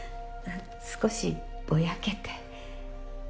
少しぼやけて。